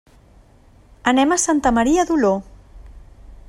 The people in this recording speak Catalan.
Anem a Santa Maria d'Oló.